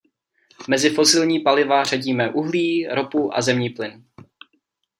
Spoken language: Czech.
Mezi fosilní paliva řadíme uhlí, ropu a zemní plyn.